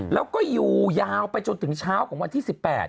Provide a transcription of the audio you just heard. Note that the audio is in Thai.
แล้วก็อยู่ยาวไปจนถึงเช้าของวันที่๑๘